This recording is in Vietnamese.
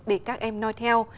để các em nói theo